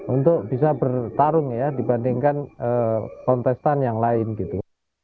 untuk bisa bertarung ya dibandingkan kontestan yang lain gitu